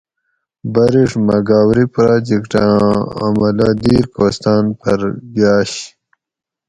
بریڛ مہۤ گاؤری پراجیکٹ آں عملہ دیر کوستاۤن پھر گاۤش